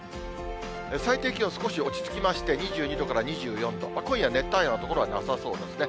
最低気温、少し落ち着きまして、２２度から２４度、今夜、熱帯夜の所はなさそうですね。